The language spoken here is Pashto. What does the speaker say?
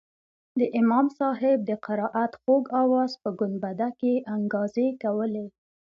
د امام صاحب د قرائت خوږ اواز په ګنبده کښې انګازې کولې.